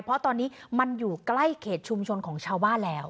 เพราะตอนนี้มันอยู่ใกล้เขตชุมชนของชาวบ้านแล้ว